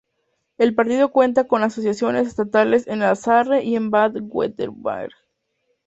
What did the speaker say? El partido cuenta con asociaciones estatales en el Sarre y en Baden-Württemberg.